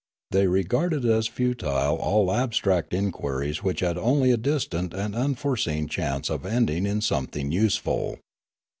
They re garded as futile all abstract inquiries which had only a distant and unforeseen chance of ending in some thing useful.